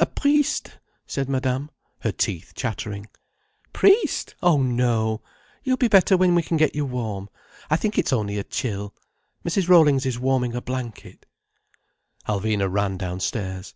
A priest!" said Madame, her teeth chattering. "Priest! Oh no! You'll be better when we can get you warm. I think it's only a chill. Mrs. Rollings is warming a blanket—" Alvina ran downstairs.